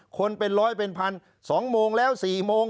คนเป็นร้อยเป็นพัน๒โมงแล้ว๔โมง